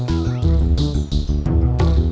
ledang ledang ledang